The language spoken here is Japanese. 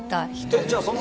えっじゃあその。